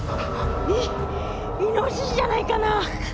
イイノシシじゃないかな。